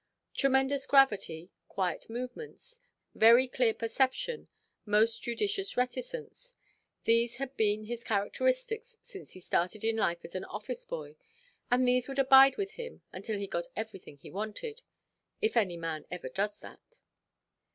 Tremendous gravity, quiet movements, very clear perception, most judicious reticence—these had been his characteristics since he started in life as an office–boy, and these would abide with him until he got everything he wanted; if any man ever does that.